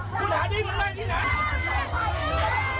ผู้หาดีมันไหมที่ไหน